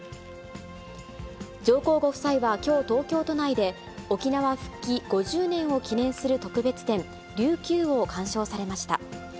上皇ご夫妻はきょう、東京都内で、沖縄復帰５０年を記念する特別展、琉球を鑑賞されました。